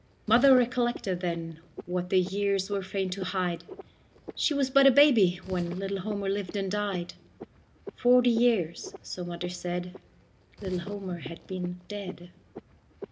Mother recollected then What the years were fain to hide She was but a baby when Little Homer lived and died; Forty years, so mother said, Little Homer had been dead.